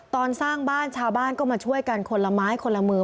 ตอนสร้างบ้านชาวบ้านก็มาช่วยกันคนละไม้คนละมือ